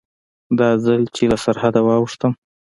دا ځل چې له سرحده واوښتم.